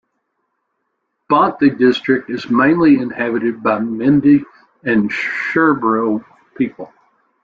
Bonthe District is mainly inhabited by the Mende and Sherbro people.